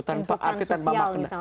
tanpa arti tanpa makna